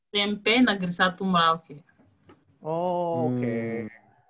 smp nageri satu merauke